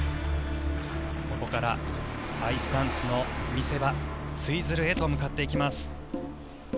ここからアイスダンスの見せ場、ツイズルへと向かっていきます。